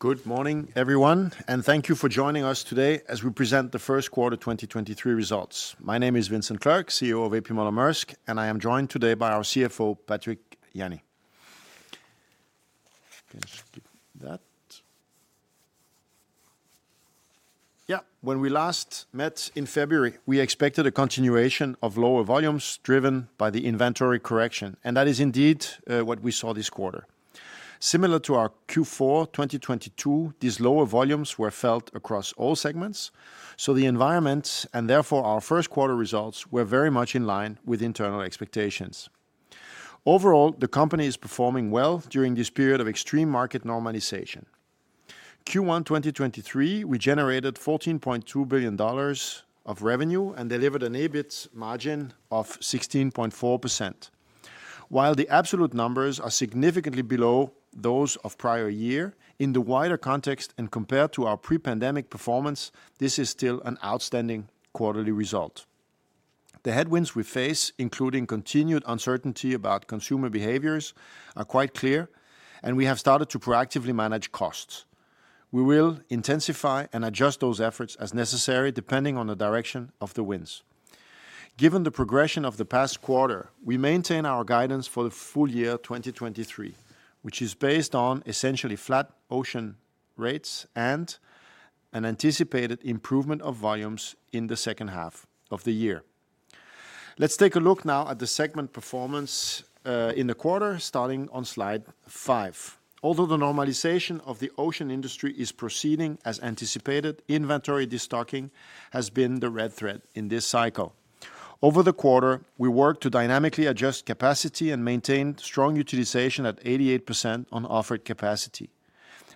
Good morning, everyone. Thank you for joining us today as we present the first quarter 2023 results. My name is Vincent Clerc, CEO of A.P. Moller-Maersk, and I am joined today by our CFO, Patrick Jany. Can skip that. Yeah. When we last met in February, we expected a continuation of lower volumes driven by the inventory correction, and that is indeed what we saw this quarter. Similar to our Q4 2022, these lower volumes were felt across all segments. The environment, and therefore our first quarter results, were very much in line with internal expectations. Overall, the company is performing well during this period of extreme market normalization. Q1 2023, we generated $14.2 billion of revenue and delivered an EBIT margin of 16.4%. While the absolute numbers are significantly below those of prior year, in the wider context and compared to our pre-pandemic performance, this is still an outstanding quarterly result. The headwinds we face, including continued uncertainty about consumer behaviors, are quite clear, and we have started to proactively manage costs. We will intensify and adjust those efforts as necessary, depending on the direction of the winds. Given the progression of the past quarter, we maintain our guidance for the full year 2023, which is based on essentially flat ocean rates and an anticipated improvement of volumes in the second half of the year. Let's take a look now at the segment performance in the quarter, starting on slide 5. Although the normalization of the ocean industry is proceeding as anticipated, inventory destocking has been the red thread in this cycle. Over the quarter, we worked to dynamically adjust capacity and maintain strong utilization at 88% on offered capacity.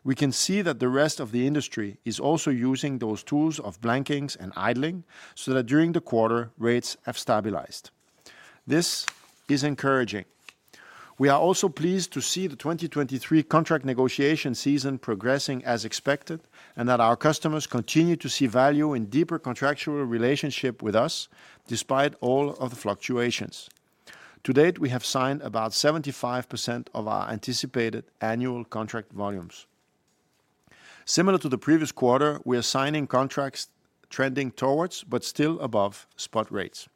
We can see that the rest of the industry is also using those tools of blankings and idling so that during the quarter, rates have stabilized. This is encouraging. We are also pleased to see the 2023 contract negotiation season progressing as expected, and that our customers continue to see value in deeper contractual relationship with us despite all of the fluctuations. To date, we have signed about 75% of our anticipated annual contract volumes. Similar to the previous quarter, we are signing contracts trending towards, but still above spot rates.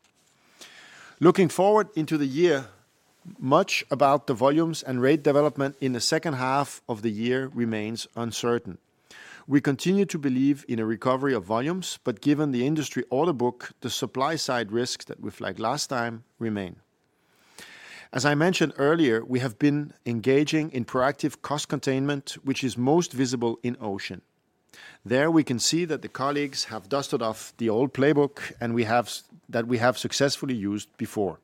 Looking forward into the year, much about the volumes and rate development in the second half of the year remains uncertain. We continue to believe in a recovery of volumes, given the industry order book, the supply side risks that we flagged last time remain. As I mentioned earlier, we have been engaging in proactive cost containment, which is most visible in Ocean. There we can see that the colleagues have dusted off the old playbook, and that we have successfully used before.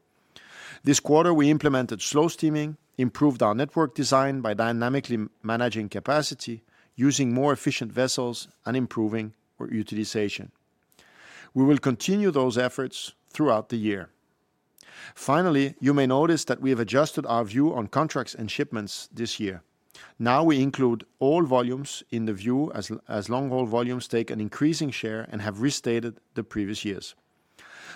This quarter, we implemented slow steaming, improved our network design by dynamically managing capacity, using more efficient vessels, and improving our utilization. We will continue those efforts throughout the year. Finally, you may notice that we have adjusted our view on contracts and shipments this year. Now we include all volumes in the view as long-haul volumes take an increasing share and have restated the previous years.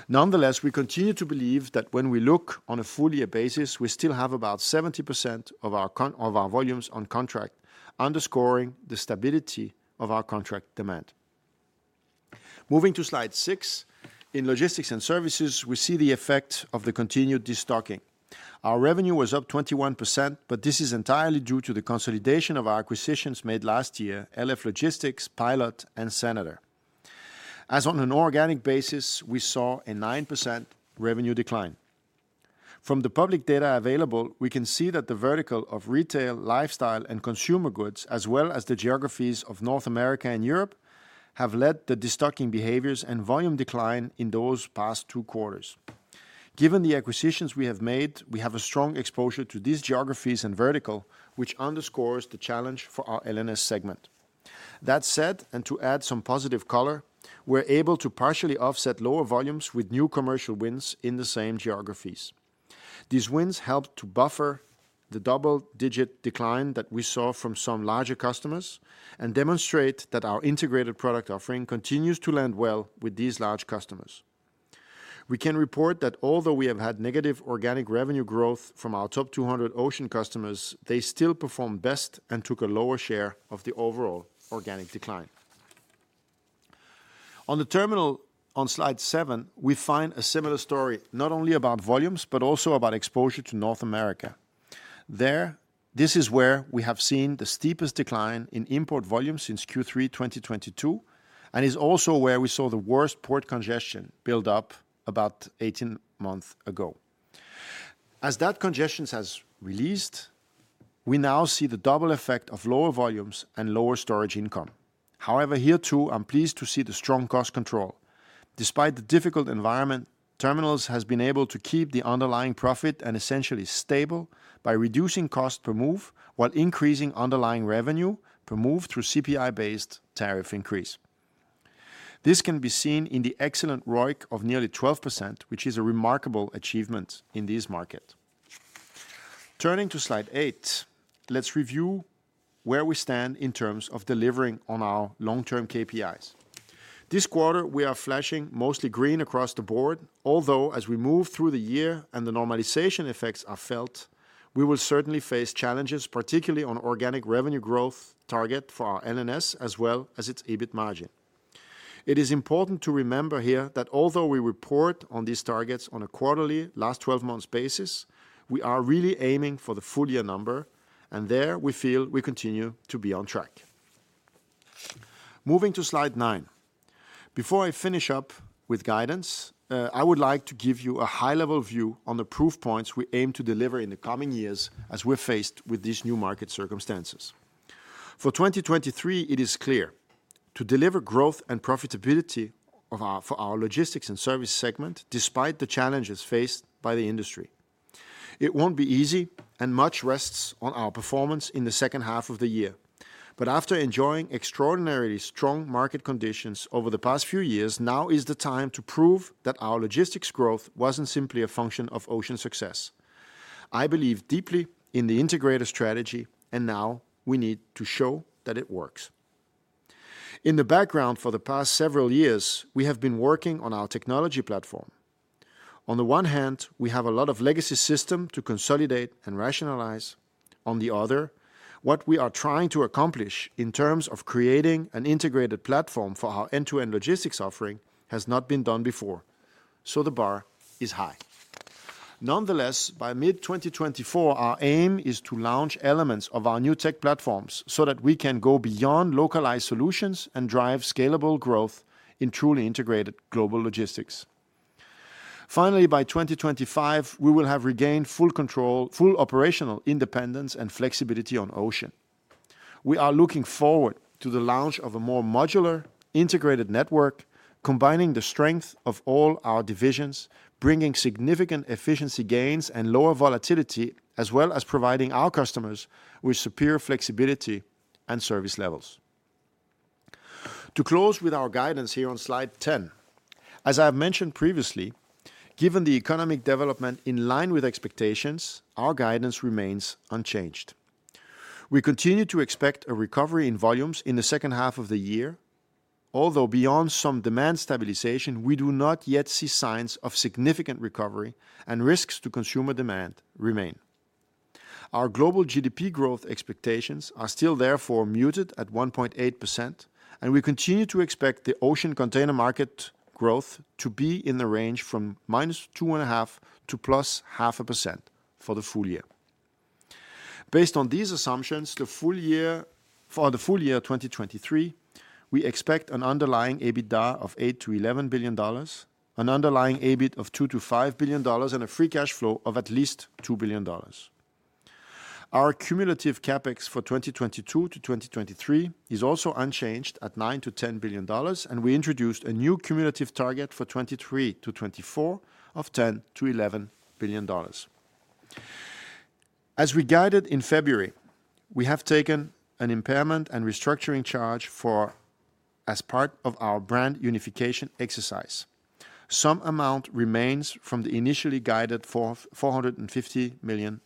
Nonetheless, we continue to believe that when we look on a full year basis, we still have about 70% of our volumes on contract, underscoring the stability of our contract demand. Moving to slide 6, in logistics and services, we see the effect of the continued destocking. Our revenue was up 21%, but this is entirely due to the consolidation of our acquisitions made last year, LF Logistics, Pilot, and Senator. As on an organic basis, we saw a 9% revenue decline. From the public data available, we can see that the vertical of retail, lifestyle, and consumer goods, as well as the geographies of North America and Europe, have led the destocking behaviors and volume decline in those past two quarters. Given the acquisitions we have made, we have a strong exposure to these geographies and vertical, which underscores the challenge for our L&S segment. That said, and to add some positive color, we're able to partially offset lower volumes with new commercial wins in the same geographies. These wins help to buffer the double-digit decline that we saw from some larger customers and demonstrate that our integrated product offering continues to land well with these large customers. We can report that although we have had negative organic revenue growth from our top 200 Ocean customers, they still perform best and took a lower share of the overall organic decline. On the terminal on slide 7, we find a similar story, not only about volumes, but also about exposure to North America. This is where we have seen the steepest decline in import volume since Q3 2022 and is also where we saw the worst port congestion build up about 18 months ago. That congestion has released, we now see the double effect of lower volumes and lower storage income. Here too, I'm pleased to see the strong cost control. Despite the difficult environment, Terminals has been able to keep the underlying profit and essentially stable by reducing cost per move while increasing underlying revenue per move through CPI-based tariff increase. This can be seen in the excellent ROIC of nearly 12%, which is a remarkable achievement in this market. Turning to slide 8, let's review where we stand in terms of delivering on our long-term KPIs. This quarter, we are flashing mostly green across the board. Although, as we move through the year and the normalization effects are felt, we will certainly face challenges, particularly on organic revenue growth target for our NNS as well as its EBIT margin. It is important to remember here that although we report on these targets on a quarterly last 12 months basis, we are really aiming for the full year number. There we feel we continue to be on track. Moving to slide 9. Before I finish up with guidance, I would like to give you a high level view on the proof points we aim to deliver in the coming years as we're faced with these new market circumstances. For 2023, it is clear to deliver growth and profitability for our Logistics and Services segment despite the challenges faced by the industry. It won't be easy and much rests on our performance in the second half of the year. After enjoying extraordinarily strong market conditions over the past few years, now is the time to prove that our logistics growth wasn't simply a function of ocean success. I believe deeply in the integrated strategy, and now we need to show that it works. In the background for the past several years, we have been working on our technology platform. On the one hand, we have a lot of legacy system to consolidate and rationalize. On the other, what we are trying to accomplish in terms of creating an integrated platform for our end-to-end logistics offering has not been done before, so the bar is high. Nonetheless, by mid-2024, our aim is to launch elements of our new tech platforms so that we can go beyond localized solutions and drive scalable growth in truly integrated global logistics. Finally, by 2025, we will have regained full control, full operational independence and flexibility on Ocean. We are looking forward to the launch of a more modular, integrated network, combining the strength of all our divisions, bringing significant efficiency gains and lower volatility, as well as providing our customers with superior flexibility and service levels. To close with our guidance here on slide 10. As I have mentioned previously, given the economic development in line with expectations, our guidance remains unchanged. We continue to expect a recovery in volumes in the second half of the year. Although beyond some demand stabilization, we do not yet see signs of significant recovery and risks to consumer demand remain. Our global GDP growth expectations are still therefore muted at 1.8%, and we continue to expect the ocean container market growth to be in the range from -2.5% to +0.5% for the full year. Based on these assumptions, for the full year 2023, we expect an underlying EBITDA of $8 billion-$11 billion, an underlying EBIT of $2 billion-$5 billion, and a free cash flow of at least $2 billion. Our cumulative CapEx for 2022-2023 is also unchanged at $9 billion-$10 billion, and we introduced a new cumulative target for 2023-2024 of $10 billion-$11 billion. As we guided in February, we have taken an impairment and restructuring charge as part of our brand unification exercise. Some amount remains from the initially guided $450 million.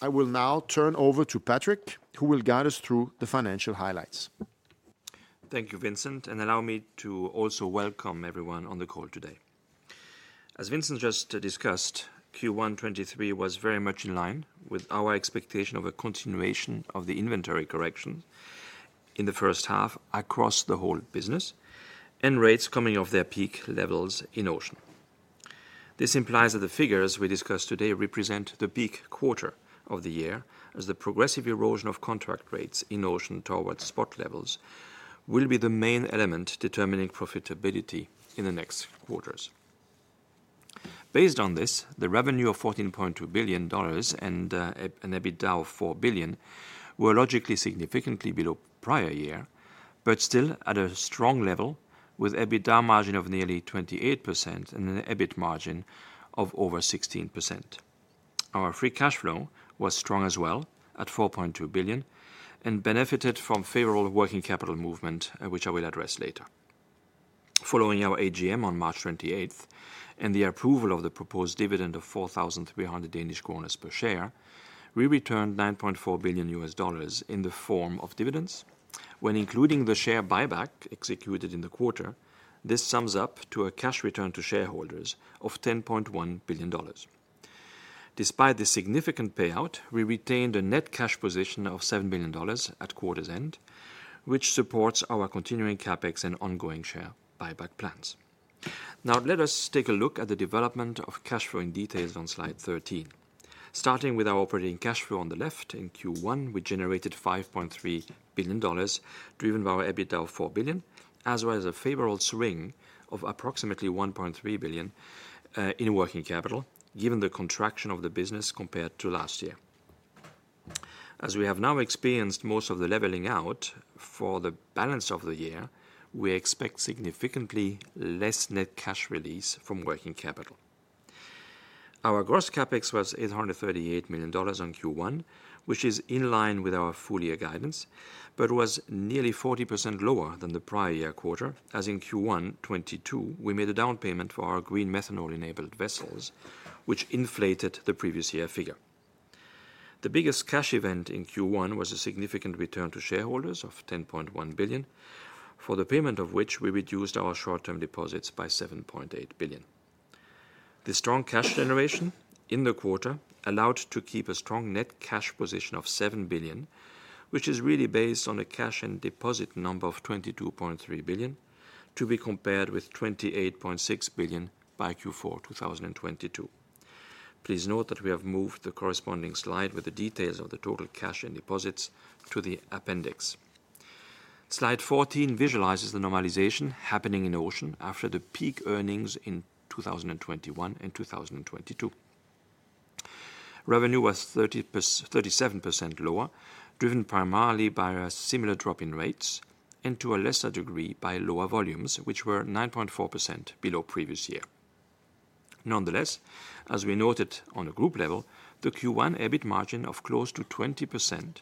I will now turn over to Patrick, who will guide us through the financial highlights. Thank you, Vincent. Allow me to also welcome everyone on the call today. As Vincent just discussed, Q1 2023 was very much in line with our expectation of a continuation of the inventory correction in the first half across the whole business and rates coming off their peak levels in Ocean. This implies that the figures we discussed today represent the peak quarter of the year as the progressive erosion of contract rates in Ocean towards spot levels will be the main element determining profitability in the next quarters. Based on this, the revenue of $14.2 billion and an EBITDA of $4 billion were logically, significantly below prior year, but still at a strong level with EBITDA margin of nearly 28% and an EBIT margin of over 16%. Our free cash flow was strong as well at $4.2 billion and benefited from favorable working capital movement, which I will address later. Following our AGM on March 28th and the approval of the proposed dividend of 4,300 Danish kroner per share, we returned $9.4 billion in the form of dividends. When including the share buyback executed in the quarter, this sums up to a cash return to shareholders of $10.1 billion. Despite the significant payout, we retained a net cash position of $7 billion at quarter's end, which supports our continuing CapEx and ongoing share buyback plans. Now let us take a look at the development of cash flow in details on slide 13. Starting with our operating cash flow on the left, in Q1, we generated $5.3 billion, driven by our EBITDA of $4 billion, as well as a favorable swing of approximately $1.3 billion in working capital, given the contraction of the business compared to last year. As we have now experienced most of the leveling out for the balance of the year, we expect significantly less net cash release from working capital. Our gross CapEx was $838 million on Q1, which is in line with our full year guidance, but was nearly 40% lower than the prior year quarter, as in Q1 2022, we made a down payment for our green methanol-enabled vessels, which inflated the previous year figure. The biggest cash event in Q1 was a significant return to shareholders of $10.1 billion, for the payment of which we reduced our short-term deposits by $7.8 billion. The strong cash generation in the quarter allowed to keep a strong net cash position of $7 billion, which is really based on a cash and deposit number of $22.3 billion, to be compared with $28.6 billion by Q4 2022. Please note that we have moved the corresponding slide with the details of the total cash and deposits to the appendix. Slide 14 visualizes the normalization happening in ocean after the peak earnings in 2021 and 2022. Revenue was 37% lower, driven primarily by a similar drop in rates and to a lesser degree by lower volumes, which were 9.4% below previous year. As we noted on a group level, the Q1 EBIT margin of close to 20%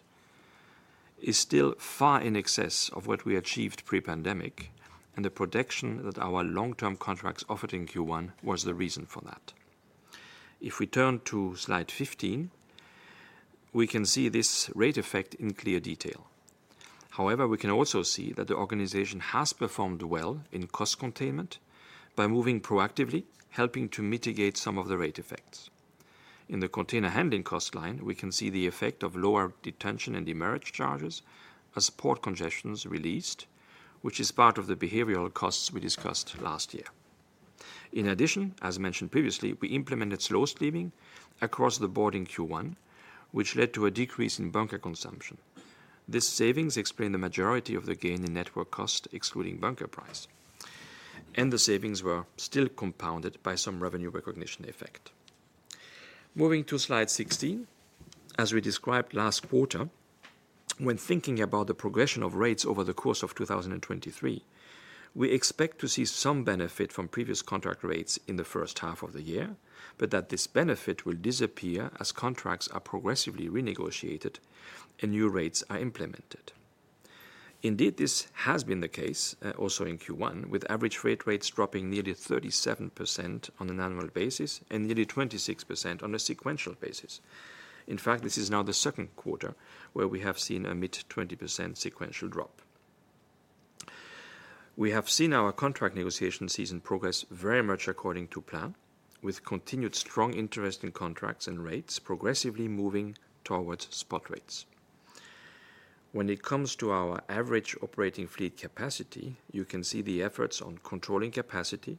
is still far in excess of what we achieved pre-pandemic. The protection that our long-term contracts offered in Q1 was the reason for that. If we turn to slide 15, we can see this rate effect in clear detail. We can also see that the organization has performed well in cost containment by moving proactively, helping to mitigate some of the rate effects. In the container handling cost line, we can see the effect of lower detention and demurrage charges as port congestions released, which is part of the behavioral costs we discussed last year. In addition, as mentioned previously, we implemented slow steaming across the board in Q1, which led to a decrease in bunker consumption. This savings explain the majority of the gain in network cost, excluding bunker price. The savings were still compounded by some revenue recognition effect. Moving to slide 16, as we described last quarter, when thinking about the progression of rates over the course of 2023, we expect to see some benefit from previous contract rates in the first half of the year, but that this benefit will disappear as contracts are progressively renegotiated and new rates are implemented. Indeed, this has been the case, also in Q1, with average rates dropping nearly 37% on an annual basis and nearly 26% on a sequential basis. In fact, this is now the second quarter where we have seen a mid 20% sequential drop. We have seen our contract negotiation season progress very much according to plan, with continued strong interest in contracts and rates progressively moving towards spot rates. When it comes to our average operating fleet capacity, you can see the efforts on controlling capacity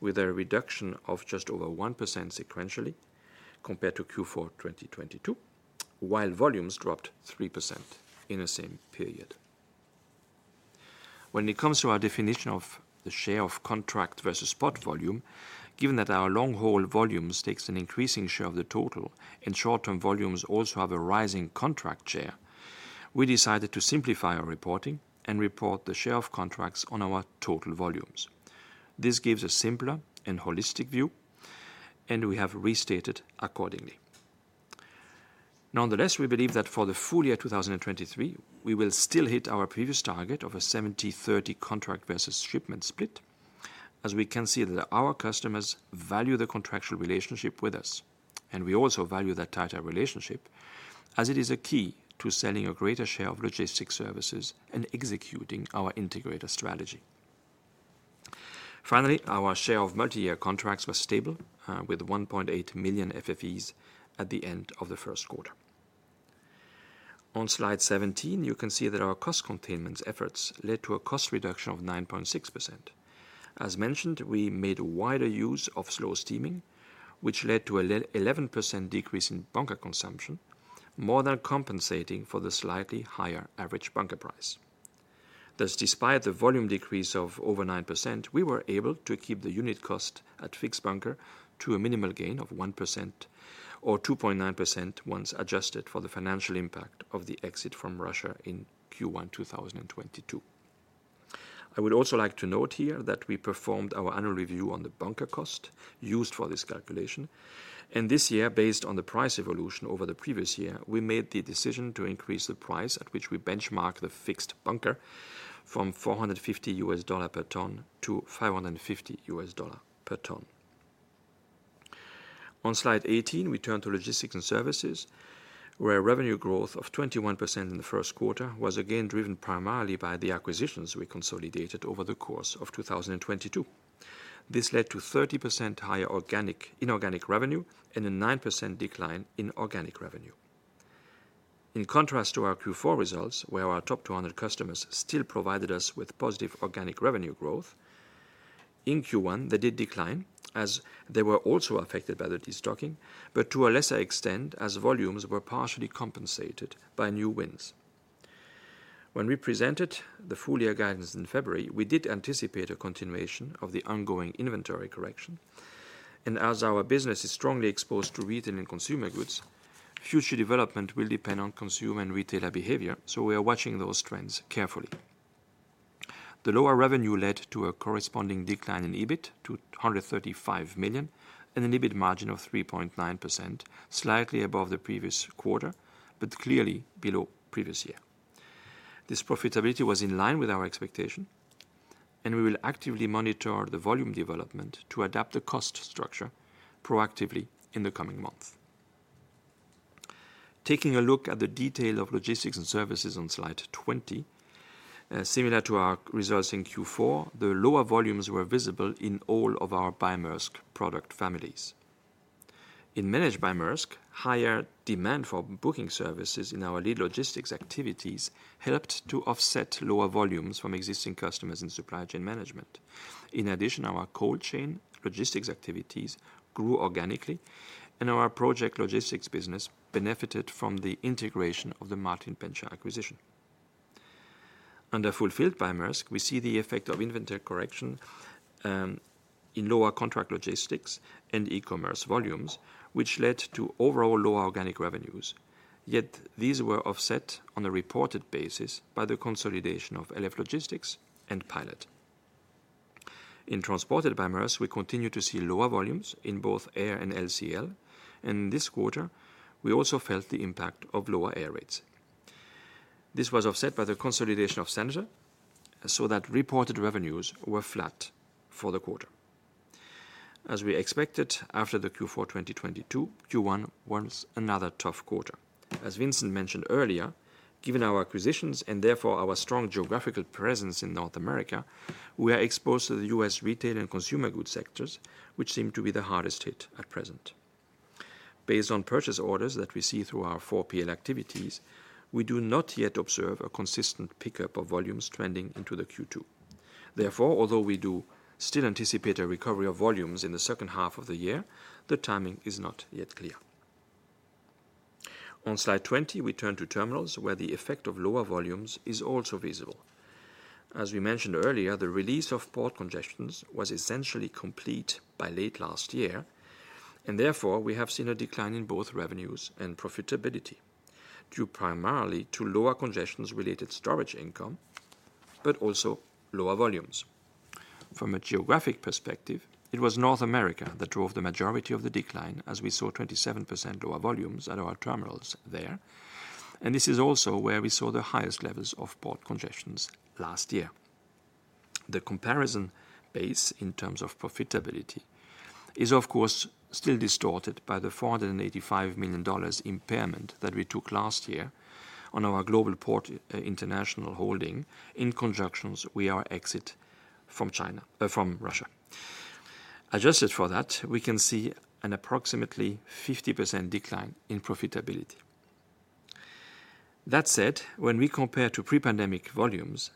with a reduction of just over 1% sequentially compared to Q4 2022, while volumes dropped 3% in the same period. When it comes to our definition of the share of contract versus spot volume, given that our long-haul volumes takes an increasing share of the total and short-term volumes also have a rising contract share, we decided to simplify our reporting and report the share of contracts on our total volumes. This gives a simpler and holistic view, and we have restated accordingly. Nonetheless, we believe that for the full year 2023, we will still hit our previous target of a 70/30 contract versus shipment split, as we can see that our customers value the contractual relationship with us, and we also value that tighter relationship as it is a key to selling a greater share of logistics services and executing our integrator strategy. Finally, our share of multi-year contracts was stable with $1.8 million FFEs at the end of the first quarter. On slide 17, you can see that our cost containments efforts led to a cost reduction of 9.6%. As mentioned, we made wider use of slow steaming, which led to 11% decrease in bunker consumption, more than compensating for the slightly higher average bunker price. Despite the volume decrease of over 9%, we were able to keep the unit cost at fixed bunker to a minimal gain of 1% or 2.9% once adjusted for the financial impact of the exit from Russia in Q1 2022. I would also like to note here that we performed our annual review on the bunker cost used for this calculation. This year, based on the price evolution over the previous year, we made the decision to increase the price at which we benchmark the fixed bunker from $450 per ton to $550 per ton. On slide 18, we turn to Logistics & Services, where revenue growth of 21% in the first quarter was again driven primarily by the acquisitions we consolidated over the course of 2022. This led to 30% higher inorganic revenue and a 9% decline in organic revenue. In contrast to our Q4 results, where our top 200 customers still provided us with positive organic revenue growth, in Q1, they did decline as they were also affected by the destocking, but to a lesser extent as volumes were partially compensated by new wins. As our business is strongly exposed to retail and consumer goods, future development will depend on consumer and retailer behavior, so we are watching those trends carefully. The lower revenue led to a corresponding decline in EBIT to $135 million and an EBIT margin of 3.9%, slightly above the previous quarter, but clearly below previous year. This profitability was in line with our expectation, and we will actively monitor the volume development to adapt the cost structure proactively in the coming months. Taking a look at the detail of Logistics & Services on slide 20, similar to our results in Q4, the lower volumes were visible in all of our by Maersk product families. In Managed by Maersk, higher demand for booking services in our lead logistics activities helped to offset lower volumes from existing customers in supply chain management. In addition, our cold chain logistics activities grew organically, and our project logistics business benefited from the integration of the Martin Bencher acquisition. Under Fulfilled by Maersk, we see the effect of inventory correction in lower contract logistics and e-commerce volumes, which led to overall lower organic revenues. Yet these were offset on a reported basis by the consolidation of LF Logistics and Pilot. In Transported by Maersk, we continue to see lower volumes in both air and LCL, and this quarter we also felt the impact of lower air rates. This was offset by the consolidation of Senator International, so that reported revenues were flat for the quarter. As we expected after the Q4 2022, Q1 was another tough quarter. As Vincent mentioned earlier, given our acquisitions and therefore our strong geographical presence in North America, we are exposed to the US retail and consumer goods sectors which seem to be the hardest hit at present. Based on purchase orders that we see through our 4PL activities, we do not yet observe a consistent pickup of volumes trending into the Q2. Although we do still anticipate a recovery of volumes in the second half of the year, the timing is not yet clear. On slide 20, we turn to terminals where the effect of lower volumes is also visible. As we mentioned earlier, the release of port congestions was essentially complete by late last year, and therefore we have seen a decline in both revenues and profitability due primarily to lower congestions related storage income, but also lower volumes. From a geographic perspective, it was North America that drove the majority of the decline as we saw 27% lower volumes at our terminals there, and this is also where we saw the highest levels of port congestions last year. The comparison base in terms of profitability is of course, still distorted by the $485 million impairment that we took last year on our Global Ports Investments PLC in conjunctions we are exit from China, from Russia. Adjusted for that, we can see an approximately 50% decline in profitability. That said, when we compare to pre-pandemic volumes,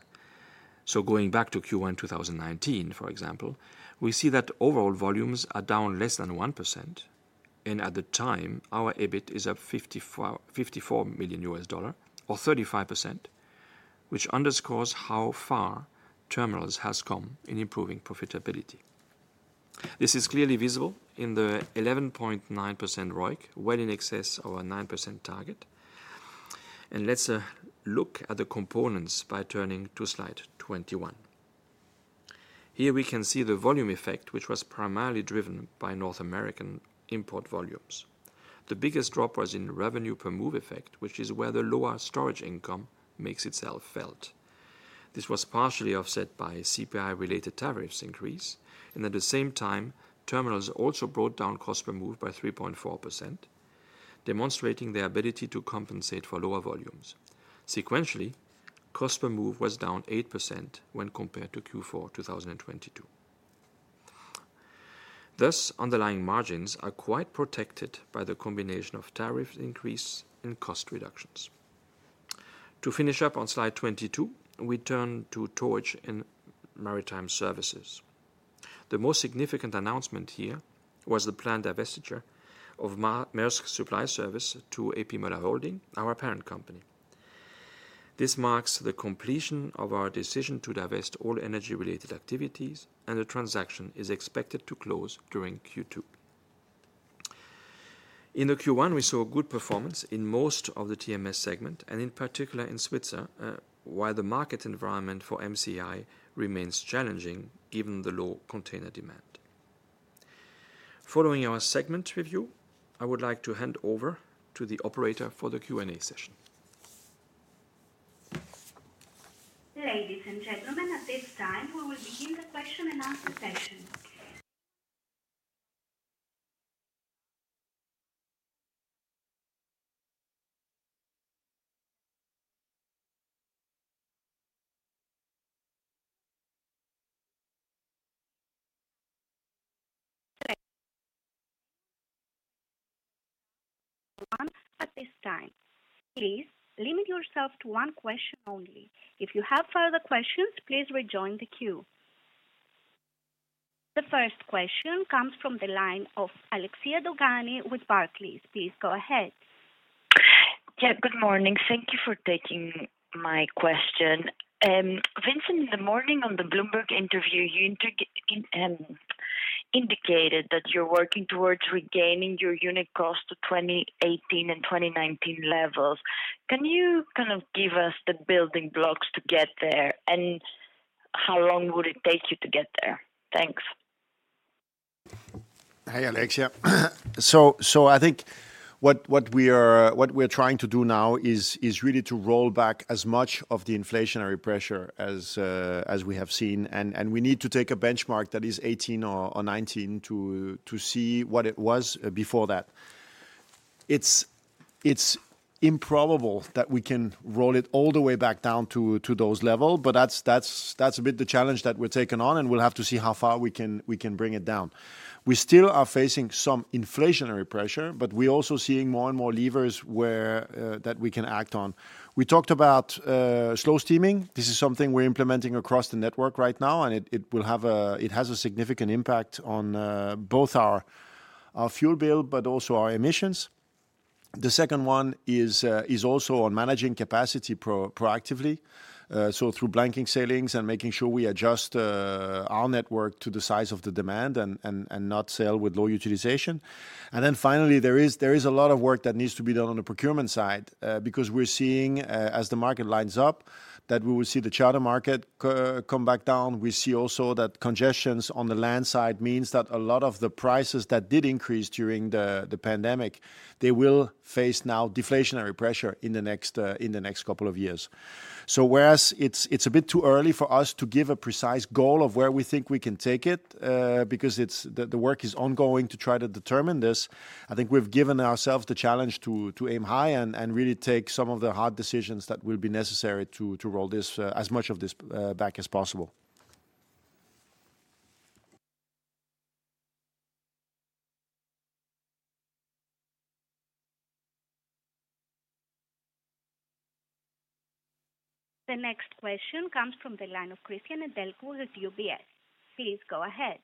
going back to Q1 2019 for example, we see that overall volumes are down less than 1%, at the time our EBIT is up $54 million or 35%, which underscores how far terminals has come in improving profitability. This is clearly visible in the 11.9% ROIC well in excess of our 9% target. Let's look at the components by turning to slide 21. Here we can see the volume effect, which was primarily driven by North American import volumes. The biggest drop was in revenue per move effect, which is where the lower storage income makes itself felt. This was partially offset by CPI related tariffs increase. At the same time, terminals also brought down cost per move by 3.4%, demonstrating their ability to compensate for lower volumes. Sequentially, cost per move was down 8% when compared to Q4 2022. Underlying margins are quite protected by the combination of tariff increase and cost reductions. To finish up on slide 22, we turn to Towage and Maritime Services. The most significant announcement here was the planned divestiture of Maersk Supply Service to A.P. Moller Holding, our parent company. This marks the completion of our decision to divest all energy related activities and the transaction is expected to close during Q2. In the Q1 we saw good performance in most of the TMS segment and in particular in Svitzer, while the market environment for MCI remains challenging given the low container demand. Following our segment review, I would like to hand over to the operator for the Q&A session. Ladies and gentlemen, at this time we will begin the question-and-answer session. At this time, please limit yourself to one question only. If you have further questions, please rejoin the queue. The first question comes from the line of Alexia Dogani with Barclays. Please go ahead. Yeah, good morning. Thank you for taking my question. Vincent, in the morning on the Bloomberg interview, you indicated that you're working towards regaining your unit cost to 2018 and 2019 levels. Can you kind of give us the building blocks to get there, and how long would it take you to get there? Thanks. Hi, Alexia. I think what we're trying to do now is really to roll back as much of the inflationary pressure as we have seen, and we need to take a benchmark that is 18 or 19 to see what it was before that. It's improbable that we can roll it all the way back down to those level, but that's a bit the challenge that we're taking on, and we'll have to see how far we can bring it down. We still are facing some inflationary pressure, but we're also seeing more and more levers where that we can act on. We talked about slow steaming. This is something we're implementing across the network right now, and it has a significant impact on both our fuel bill, but also our emissions. The second one is also on managing capacity proactively so through blanking sailings and making sure we adjust our network to the size of the demand and not sail with low utilization. Finally, there is a lot of work that needs to be done on the procurement side, because we're seeing as the market lines up, that we will see the charter market come back down. We see also that congestions on the land side means that a lot of the prices that did increase during the pandemic, they will face now deflationary pressure in the next couple of years. Whereas it's a bit too early for us to give a precise goal of where we think we can take it, because the work is ongoing to try to determine this, I think we've given ourselves the challenge to aim high and really take some of the hard decisions that will be necessary to roll this, as much of this, back as possible. The next question comes from the line of Cristian Nedelcu with UBS. Please go ahead.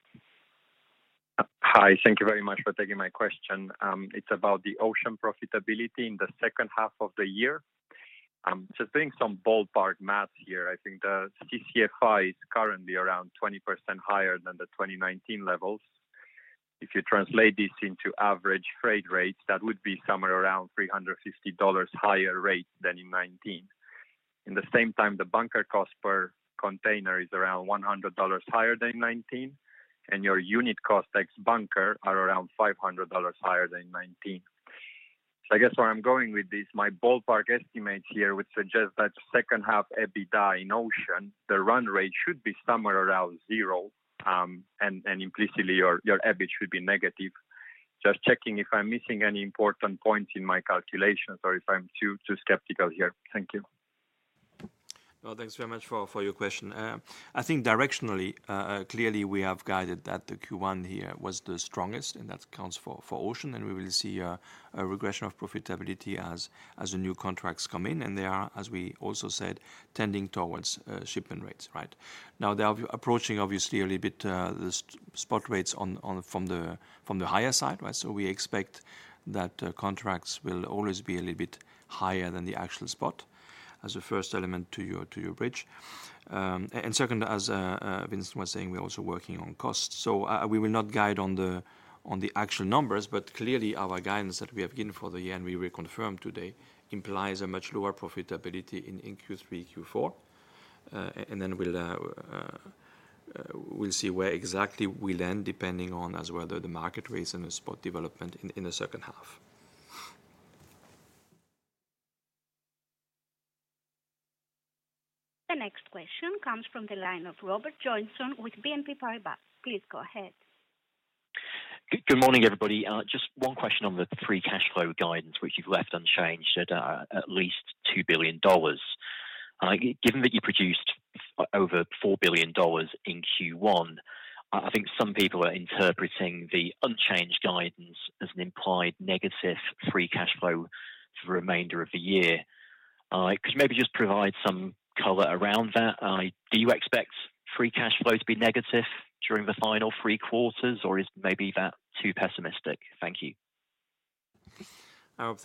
Hi. Thank you very much for taking my question. It's about the ocean profitability in the second half of the year. Just doing some ballpark math here, I think the CCFI is currently around 20% higher than the 2019 levels. If you translate this into average freight rates, that would be somewhere around $350 higher rate than in 2019. In the same time, the bunker cost per container is around $100 higher than 2019, and your unit cost ex bunker are around $500 higher than 2019. I guess where I'm going with this, my ballpark estimates here would suggest that second half EBITDA in ocean, the run rate should be somewhere around 0, and implicitly your EBIT should be negative. Just checking if I'm missing any important points in my calculations or if I'm too skeptical here? Thank you. Well, thanks very much for your question. I think directionally, clearly we have guided that the Q1 here was the strongest, and that counts for ocean, and we will see a regression of profitability as the new contracts come in. They are, as we also said, tending towards shipment rates, right? Now they are approaching obviously a little bit the spot rates on from the higher side, right? We expect that contracts will always be a little bit higher than the actual spot as a first element to your bridge. Second, as Vincent was saying, we're also working on costs. We will not guide on the, on the actual numbers, but clearly our guidance that we have given for the year and we reconfirm today implies a much lower profitability in Q3, Q4. We'll see where exactly we land depending on as well the market rates and the spot development in the second half. The next question comes from the line of Robert Joynson with BNP Paribas. Please go ahead. Good morning, everybody. Just one question on the free cash flow guidance which you've left unchanged at at least $2 billion. Given that you produced over $4 billion in Q1, I think some people are interpreting the unchanged guidance as an implied negative free cash flow for the remainder of the year. Could you maybe just provide some color around that? Do you expect free cash flow to be negative during the final three quarters, or is maybe that too pessimistic? Thank you. No,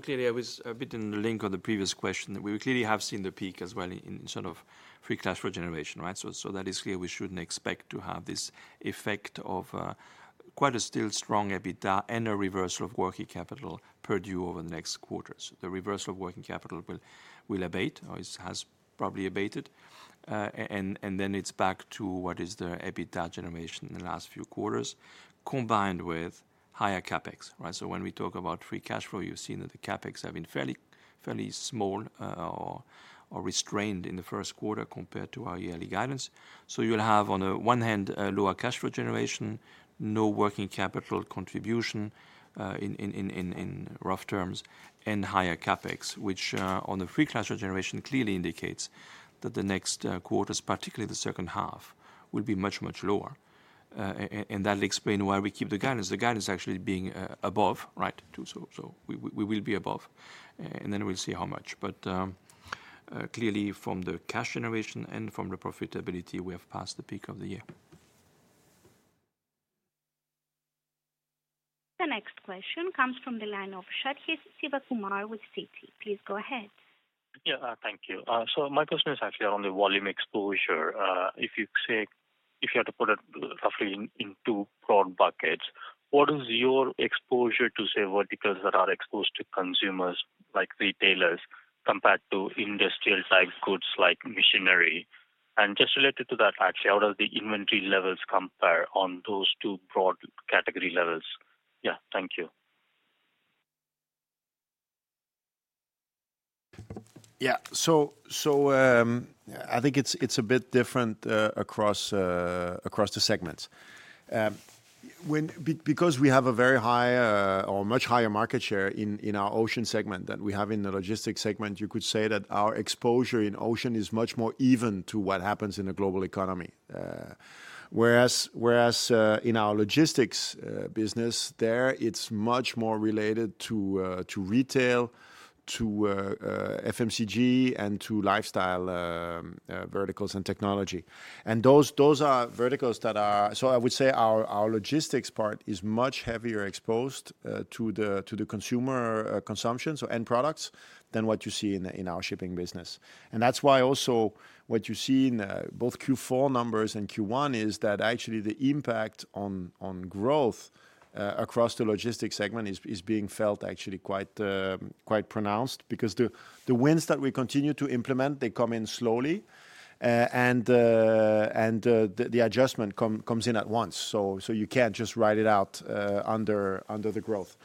clearly I was a bit in the link on the previous question that we clearly have seen the peak as well in sort of free cash flow generation, right? That is clear we shouldn't expect to have this effect of quite a still strong EBITDA and a reversal of working capital per due over the next quarters. The reversal of working capital will abate, or it has probably abated. And then it's back to what is the EBITDA generation in the last few quarters, combined with higher CapEx, right? When we talk about free cash flow, you've seen that the CapEx have been fairly small, or restrained in the first quarter compared to our yearly guidance. You'll have, on the one hand, a lower cash flow generation, no working capital contribution, in rough terms, and higher CapEx, which, on the free cash flow generation clearly indicates that the next quarters, particularly the second half, will be much, much lower. That'll explain why we keep the guidance. The guidance actually being above, right? We will be above, and then we'll see how much. Clearly from the cash generation and from the profitability, we have passed the peak of the year. The next question comes from the line of Sathish Sivakumar with Citi. Please go ahead. Yeah. Thank you. My question is actually on the volume exposure. If you had to put it roughly in two broad buckets What is your exposure to, say, verticals that are exposed to consumers like retailers compared to industrial type goods like machinery? Just related to that actually, how does the inventory levels compare on those two broad category levels? Yeah. Thank you. I think it's a bit different across the segments. Because we have a very high, or much higher market share in our ocean segment than we have in the logistics segment, you could say that our exposure in ocean is much more even to what happens in the global economy. Whereas, in our logistics business there, it's much more related to retail, to FMCG and to lifestyle verticals and technology. Those are verticals that are... I would say our logistics part is much heavier exposed to the consumer consumption, so end products, than what you see in our shipping business. That's why also what you see in both Q4 numbers and Q1 is that actually the impact on growth across the logistics segment is being felt actually quite pronounced because the wins that we continue to implement, they come in slowly. And the adjustment comes in at once. So you can't just ride it out under the growth.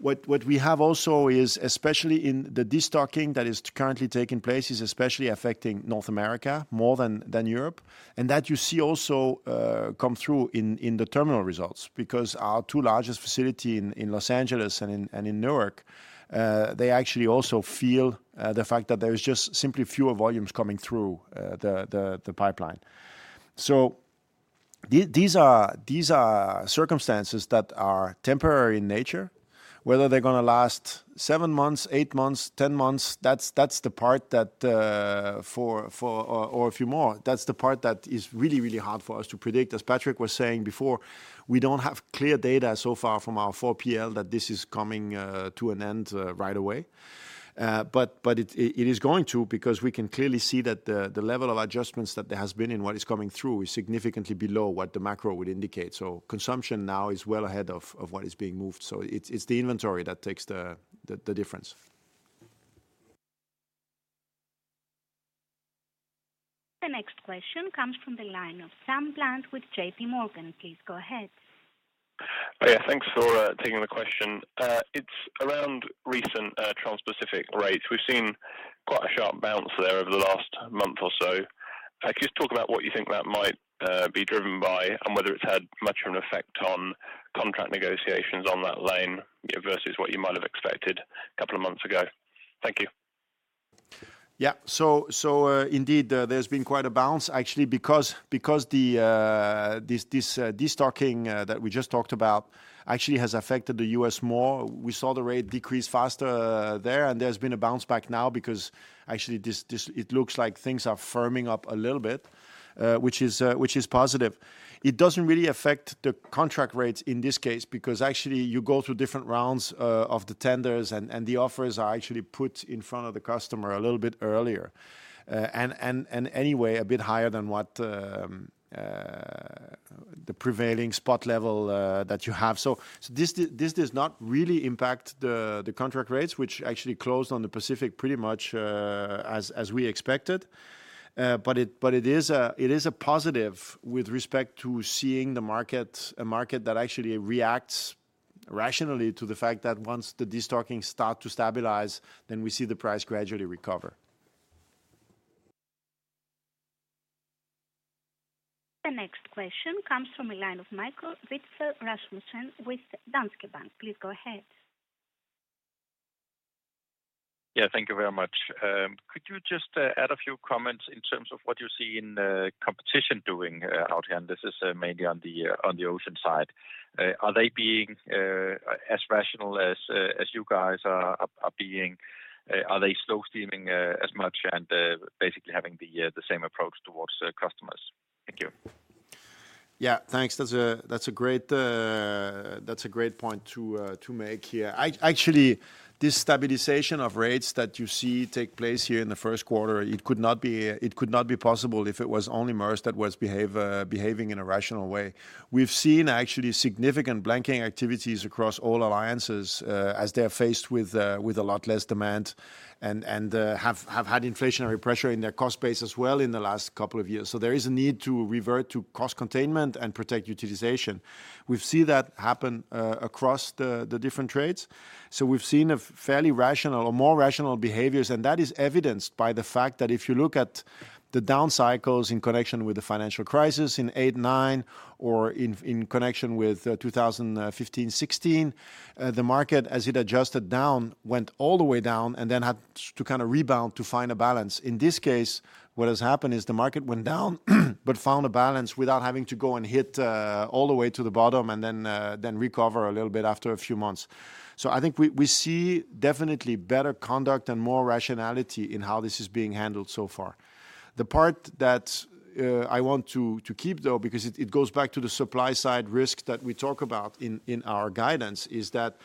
What we have also is, especially in the destocking that is currently taking place, is especially affecting North America more than Europe. That you see also come through in the terminal results because our two largest facility in Los Angeles and in Newark, they actually also feel the fact that there is just simply fewer volumes coming through the pipeline. These are circumstances that are temporary in nature. Whether they're gonna last 7 months, 8 months, 10 months, that's the part that... Or a few more. That's the part that is really hard for us to predict. As Patrick was saying before, we don't have clear data so far from our 4PL that this is coming to an end right away. It is going to because we can clearly see that the level of adjustments that there has been and what is coming through is significantly below what the macro would indicate. Consumption now is well ahead of what is being moved. It's the inventory that takes the difference. The next question comes from the line of Sam Bland with JPMorgan. Please go ahead. Yeah. Thanks for taking the question. It's around recent transpacific rates. We've seen quite a sharp bounce there over the last month or so. Can you just talk about what you think that might be driven by and whether it's had much of an effect on contract negotiations on that lane, you know, versus what you might have expected a couple of months ago. Thank you. Yeah. Indeed, there's been quite a bounce actually because the this destocking that we just talked about actually has affected the U.S. more. We saw the rate decrease faster there, and there's been a bounce back now because actually this it looks like things are firming up a little bit, which is positive. It doesn't really affect the contract rates in this case because actually you go through different rounds of the tenders and the offers are actually put in front of the customer a little bit earlier. Anyway a bit higher than what the prevailing spot level that you have. This does not really impact the contract rates which actually closed on the Pacific pretty much as we expected. It is a positive with respect to seeing the market, a market that actually reacts rationally to the fact that once the destocking start to stabilize, then we see the price gradually recover. The next question comes from the line of Michael Vitfell-Rasmussen with Danske Bank. Please go ahead. Thank you very much. Could you just add a few comments in terms of what you see in the competition doing out here? This is mainly on the ocean side. Are they being as rational as you guys are being? Are they slow steaming as much and basically having the same approach towards the customers? Thank you. Yeah. Thanks. That's a great point to make here. Actually, this stabilization of rates that you see take place here in the first quarter, it could not be possible if it was only Maersk that was behaving in a rational way. We've seen actually significant blanking activities across all alliances, as they're faced with a lot less demand and have had inflationary pressure in their cost base as well in the last couple of years. There is a need to revert to cost containment and protect utilization. We've seen that happen across the different trades. We've seen a fairly rational or more rational behaviors, and that is evidenced by the fact that if you look at the down cycles in connection with the financial crisis in 2008, 2009 or in connection with 2015, 2016, the market as it adjusted down, went all the way down and then had to kinda rebound to find a balance. In this case, what has happened is the market went down but found a balance without having to go and hit all the way to the bottom and then recover a little bit after a few months. I think we see definitely better conduct and more rationality in how this is being handled so far. The part that I want to keep though, because it goes back to the supply side risk that we talk about in our guidance, is that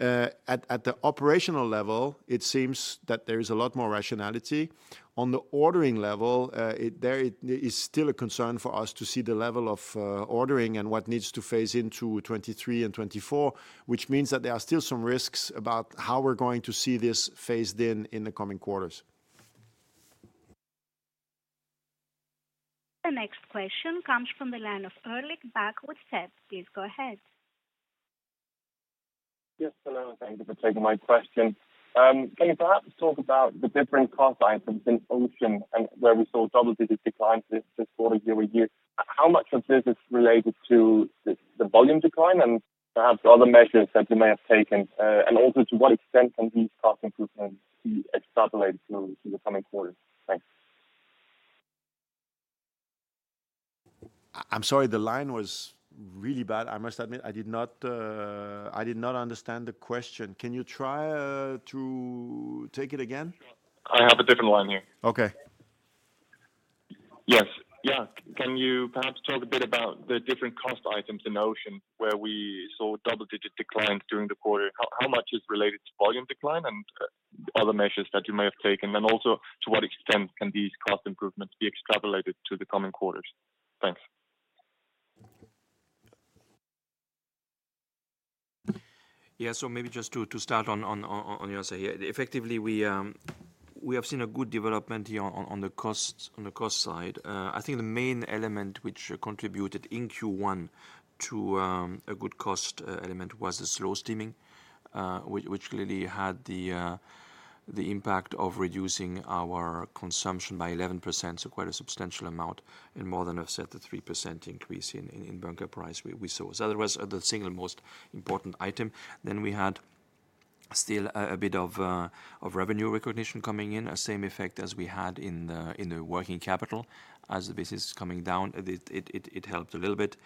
at the operational level, it seems that there is a lot more rationality. On the ordering level, there is still a concern for us to see the level of ordering and what needs to phase into 2023 and 2024, which means that there are still some risks about how we're going to see this phased in in the coming quarters. The next question comes from the line of Ulrik Bak with SEB. Please go ahead. Yes, hello, thank you for taking my question. Can you perhaps talk about the different cost items in Ocean and where we saw double-digit declines this quarter year with you? How much of this is related to the volume decline and perhaps other measures that you may have taken? To what extent can these cost improvements be extrapolated to the coming quarters? Thanks. I'm sorry. The line was really bad. I must admit I did not understand the question. Can you try to take it again? Sure. I have a different line here. Okay. Yes. Yeah. Can you perhaps talk a bit about the different cost items in Ocean where we saw double-digit declines during the quarter? How much is related to volume decline and other measures that you may have taken? Also to what extent can these cost improvements be extrapolated to the coming quarters? Thanks. Yeah. Maybe just to start on your side here. Effectively, we have seen a good development here on the cost side. I think the main element which contributed in Q1 to a good cost element was the slow steaming, which clearly had the impact of reducing our consumption by 11%, so quite a substantial amount and more than offset the 3% increase in bunker price we saw. That was the single most important item. We had still a bit of revenue recognition coming in, a same effect as we had in the working capital. As the business is coming down, it helped a little bit.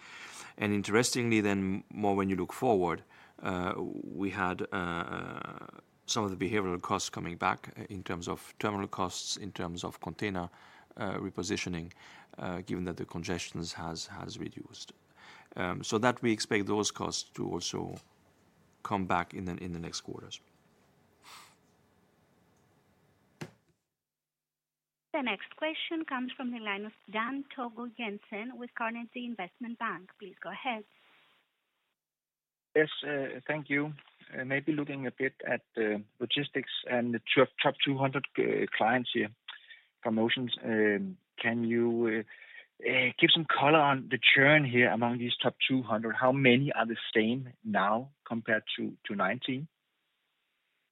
Interestingly then more when you look forward, we had some of the behavioral costs coming back in terms of terminal costs, in terms of container repositioning, given that the congestions has reduced. That we expect those costs to also come back in the next quarters. The next question comes from the line of Dan Togo Jensen with Carnegie Investment Bank. Please go ahead. Yes. Thank you. Maybe looking a bit at logistics and the top 200 clients here for motions. Can you give some color on the churn here among these top 200? How many are the same now compared to 2019?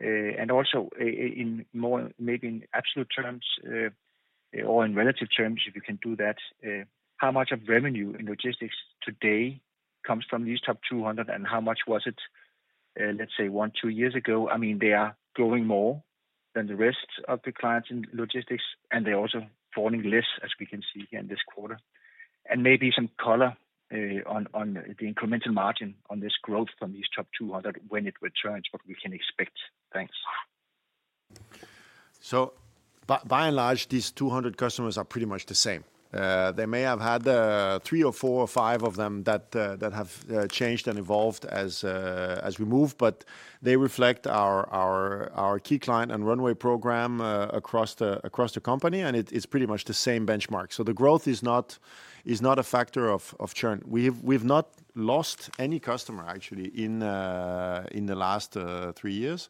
And also in more maybe in absolute terms, or in relative terms, if you can do that, how much of revenue in logistics today comes from these top 200, and how much was it, let's say one, two years ago? I mean, they are growing more than the rest of the clients in logistics, and they're also falling less, as we can see here in this quarter. And maybe some color on the incremental margin on this growth from these top 200 when it returns, what we can expect. Thanks. By and large, these 200 customers are pretty much the same. They may have had three or four or five of them that have changed and evolved as we move, but they reflect our key client and runway program across the company, and it is pretty much the same benchmark. The growth is not a factor of churn. We've not lost any customer actually in the last three years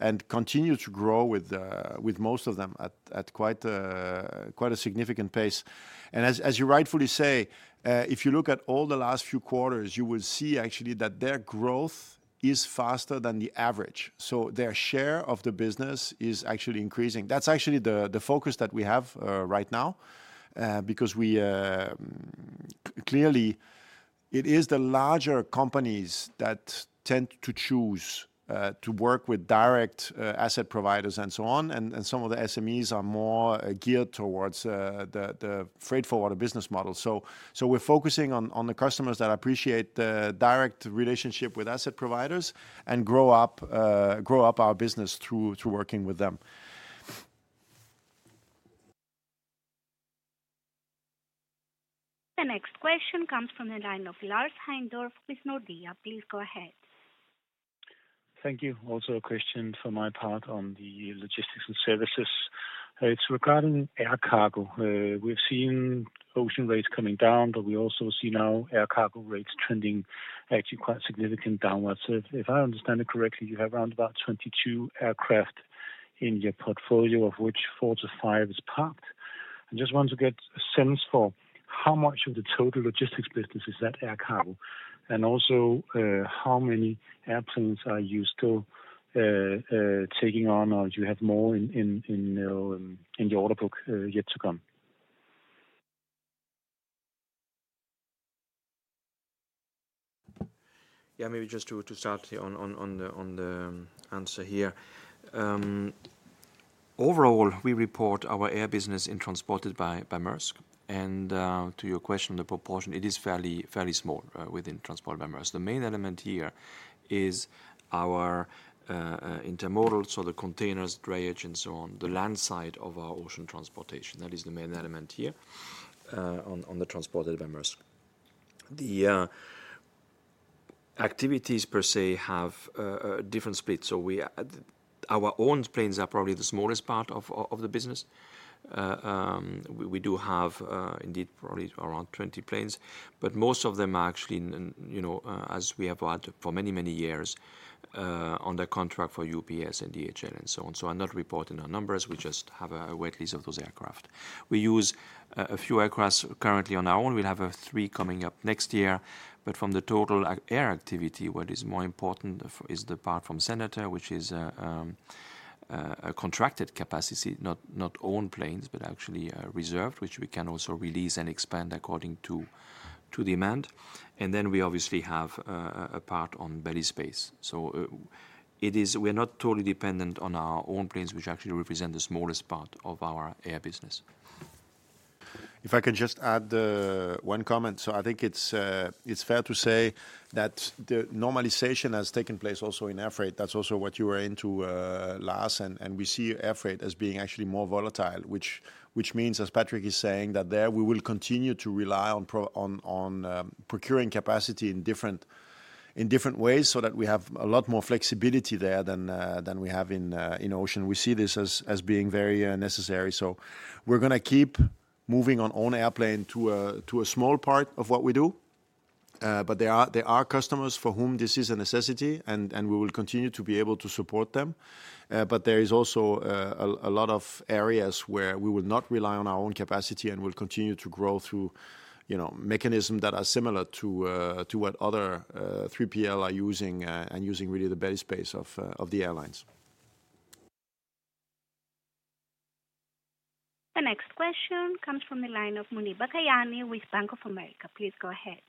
and continue to grow with most of them at quite a significant pace. As you rightfully say, if you look at all the last few quarters, you will see actually that their growth is faster than the average. Their share of the business is actually increasing. That's actually the focus that we have right now because we clearly it is the larger companies that tend to choose to work with direct asset providers and so on. Some of the SMEs are more geared towards the freight forwarder business model. We're focusing on the customers that appreciate the direct relationship with asset providers and grow up our business through working with them. The next question comes from the line of Lars Heindorff with Nordea. Please go ahead. Thank you. Also a question for my part on the Logistics and Services. It's regarding air cargo. We've seen ocean rates coming down, but we also see now air cargo rates trending actually quite significant downwards. If I understand it correctly, you have around about 22 aircraft in your portfolio, of which 4-5 is parked. I just want to get a sense for how much of the total logistics business is that air cargo, and also, how many airplanes are you still taking on, or do you have more in your order book yet to come? Yeah. Maybe just to start on the answer here. Overall, we report our air business in Transported by Maersk. To your question, the proportion, it is fairly small within Transported by Maersk. The main element here is our intermodal, so the containers, drayage and so on, the land side of our ocean transportation. That is the main element here on the Transported by Maersk. The activities per se have a different split. We Our own planes are probably the smallest part of the business. We do have indeed probably around 20 planes. Most of them are actually and you know, as we have had for many, many years, under contract for UPS and DHL and so on, so are not reported in our numbers. We just have a wait list of those aircraft. We use a few aircraft currently on our own. We'll have 3 coming up next year. From the total air activity, what is more important is the part from Senator, which is a contracted capacity, not own planes, but actually reserved, which we can also release and expand according to demand. Then we obviously have a part on belly space. We're not totally dependent on our own planes, which actually represent the smallest part of our air business. If I can just add one comment. I think it's fair to say that the normalization has taken place also in air freight. That's also what you were into, Lars. We see air freight as being actually more volatile, which means, as Patrick is saying, that there we will continue to rely on procuring capacity in different, in different ways so that we have a lot more flexibility there than we have in ocean. We see this as being very unnecessary. We're gonna keep moving on own airplane to a small part of what we do. But there are customers for whom this is a necessity and we will continue to be able to support them. There is also a lot of areas where we will not rely on our own capacity and will continue to grow through, you know, mechanisms that are similar to what other 3PL are using and using really the belly space of the airlines. The next question comes from the line of Muneeba Kayani with Bank of America. Please go ahead.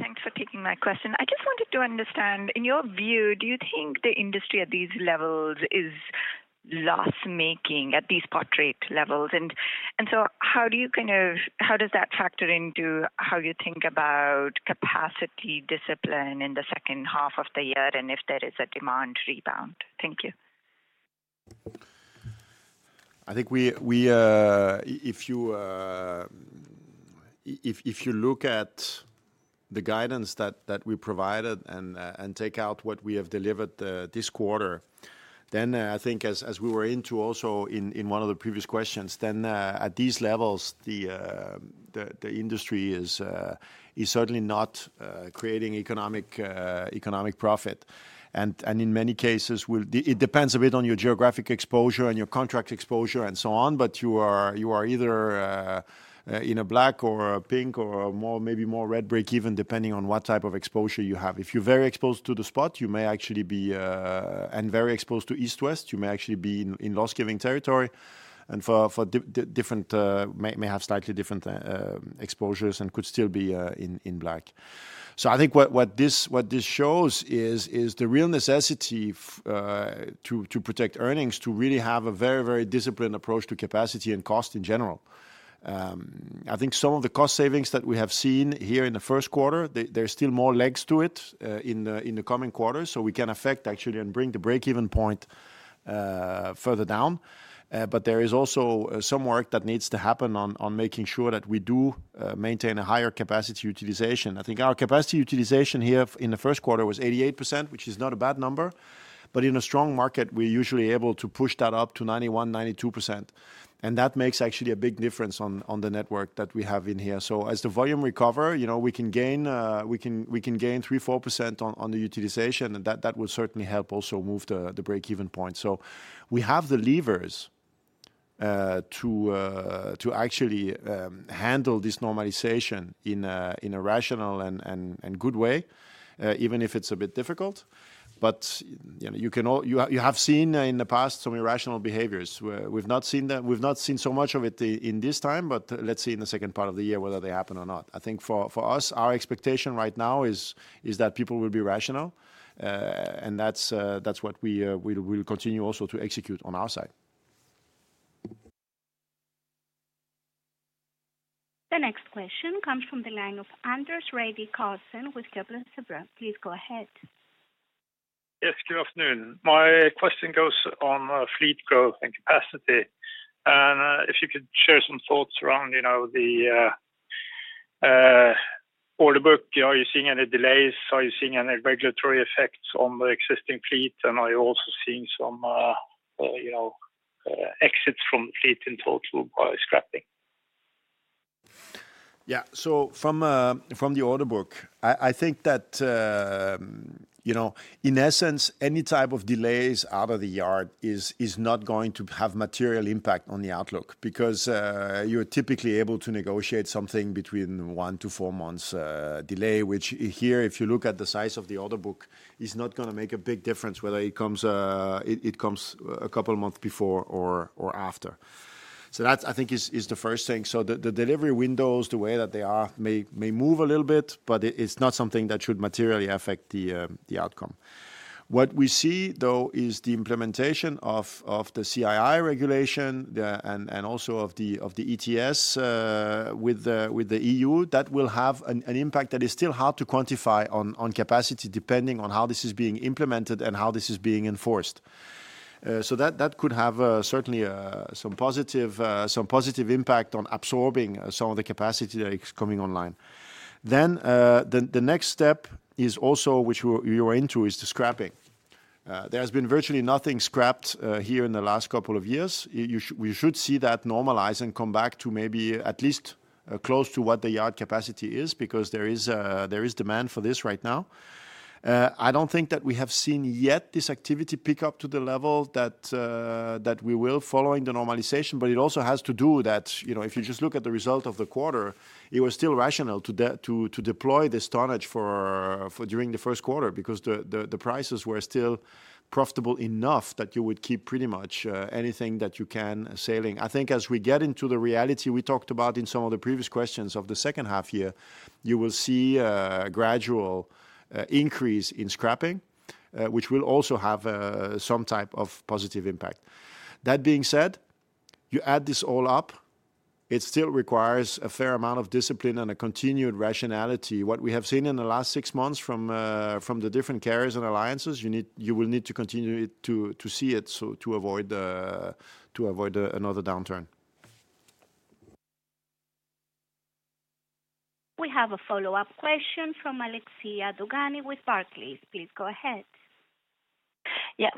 Thanks for taking my question. I just wanted to understand, in your view, do you think the industry at these levels is loss-making at these spot rate levels? How does that factor into how you think about capacity discipline in the second half of the year and if there is a demand rebound? Thank you. If you look at the guidance that we provided and take out what we have delivered this quarter, then I think as we were into also in one of the previous questions, at these levels, the industry is certainly not creating economic profit. In many cases, it depends a bit on your geographic exposure and your contract exposure and so on, but you are either in a black or a pink or a more, maybe more red breakeven depending on what type of exposure you have. If you're very exposed to the spot, you may actually be. Very exposed to East-West, you may actually be in loss-giving territory and for different, may have slightly different exposures and could still be in black. I think what this shows is the real necessity to protect earnings, to really have a very disciplined approach to capacity and cost in general. I think some of the cost savings that we have seen here in the first quarter, there are still more legs to it in the coming quarters, so we can affect actually and bring the break-even point further down. There is also some work that needs to happen on making sure that we do maintain a higher capacity utilization. I think our capacity utilization here in the first quarter was 88%, which is not a bad number. In a strong market, we're usually able to push that up to 91%-92%. That makes actually a big difference on the network that we have in here. As the volume recover, you know, we can gain 3%, 4% on the utilization, and that will certainly help also move the break-even point. We have the levers to actually handle this normalization in a rational and good way, even if it's a bit difficult. You know, you can you have seen in the past some irrational behaviors. We've not seen them... We've not seen so much of it in this time. Let's see in the second part of the year whether they happen or not. I think for us, our expectation right now is that people will be rational. That's what we'll continue also to execute on our side. The next question comes from the line of Anders-Redigh Karlsen with Kepler Cheuvreux. Please go ahead. Yes, good afternoon. My question goes on fleet growth and capacity. If you could share some thoughts around, you know, the order book. Are you seeing any delays? Are you seeing any regulatory effects on the existing fleet? Are you also seeing some, you know, exits from fleet in total by scrapping? Yeah. From the order book, I think that, you know, in essence, any type of delays out of the yard is not going to have material impact on the outlook because, you're typically able to negotiate something between 1 to 4 months, delay, which here, if you look at the size of the order book, is not gonna make a big difference whether it comes, it comes a couple of months before or after. That I think is the first thing. The delivery windows, the way that they are may move a little bit, but it's not something that should materially affect the outcome. What we see, though, is the implementation of the CII regulation, the... Also of the ETS with the EU, that will have an impact that is still hard to quantify on capacity depending on how this is being implemented and how this is being enforced. That could have certainly some positive impact on absorbing some of the capacity that is coming online. The next step is also which you are into is the scrapping. There has been virtually nothing scrapped here in the last couple of years. We should see that normalize and come back to maybe at least close to what the yard capacity is because there is demand for this right now. I don't think that we have seen yet this activity pick up to the level that we will following the normalization. It also has to do that, you know, if you just look at the result of the quarter, it was still rational to deploy the storage for during the first quarter because the prices were still profitable enough that you would keep pretty much anything that you can sailing. I think as we get into the reality we talked about in some of the previous questions of the second half year, you will see a gradual increase in scrapping, which will also have some type of positive impact. That being said, you add this all up, it still requires a fair amount of discipline and a continued rationality. What we have seen in the last 6 months from the different carriers and alliances, you need, you will need to continue it to see it so to avoid another downturn. We have a follow-up question from Alexia Dogani with Barclays. Please go ahead.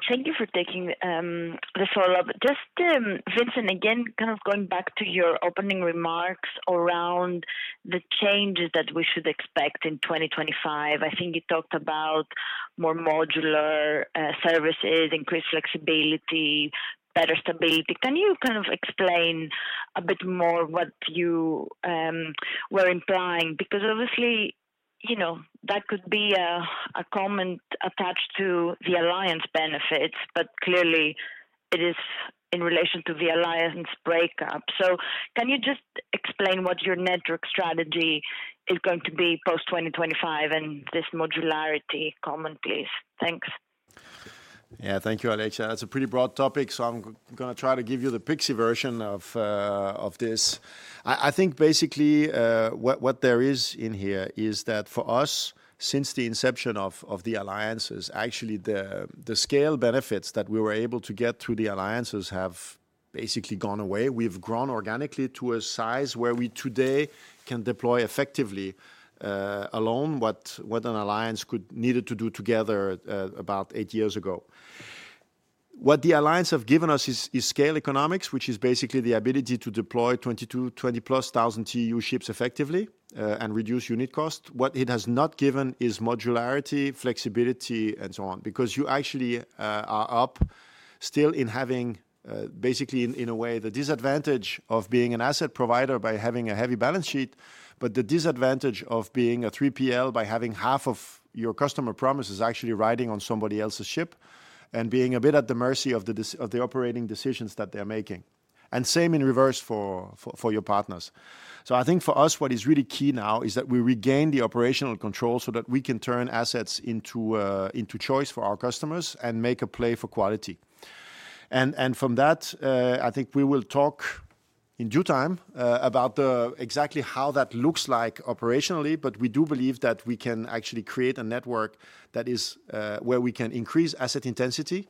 Thank you for taking the follow-up. Just, Vincent, again, kind of going back to your opening remarks around the changes that we should expect in 2025. I think you talked about more modular services, increased flexibility, better stability. Can you kind of explain a bit more what you were implying? Obviously, you know, that could be a comment attached to the alliance benefits, but clearly it is in relation to the alliance breakup. Can you just explain what your network strategy is going to be post 2025 and this modularity comment, please? Thanks. Yeah. Thank you, Alexia. That's a pretty broad topic, so I'm gonna try to give you the pixie version of this. I think basically, what there is in here is that for us, since the inception of the alliances, actually the scale benefits that we were able to get through the alliances have basically gone away. We've grown organically to a size where we today can deploy effectively alone what an alliance could needed to do together about eight years ago. What the alliance have given us is scale economics, which is basically the ability to deploy 22, 20-plus thousand TEU ships effectively and reduce unit cost. What it has not given is modularity, flexibility, and so on. Because you actually are up still in having basically in a way, the disadvantage of being an asset provider by having a heavy balance sheet, but the disadvantage of being a 3PL by having half of your customer promises actually riding on somebody else's ship and being a bit at the mercy of the operating decisions that they're making. Same in reverse for your partners. I think for us, what is really key now is that we regain the operational control so that we can turn assets into choice for our customers and make a play for quality. From that, I think we will talk in due time about exactly how that looks like operationally, but we do believe that we can actually create a network that is where we can increase asset intensity.